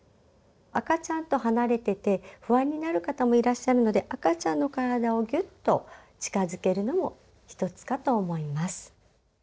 赤ちゃんと離れてて不安になる方もいらっしゃるので赤ちゃんの体をぎゅっと近づけるのも一つかと思います。